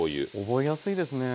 覚えやすいですね。